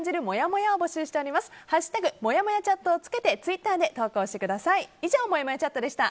「＃もやもやチャット」をつけてツイッターで投稿してください。